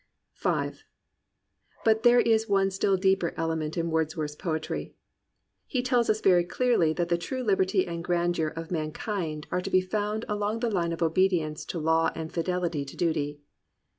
But there is one still deeper element in Words worth's poetry. He tells us very clearly that the true liberty and grandeur of mankind are to be found along the line of obedience to law and fidelity to duty.